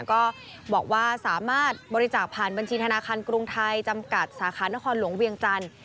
ก็บอกว่าสามารถบริจาคผ่านบัญชีธนาคารกรุงไทยจำกัดสาขานครหลวงเวียงจันทร์